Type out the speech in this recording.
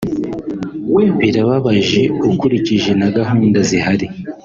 Birababaje ukurikije na gahunda zihari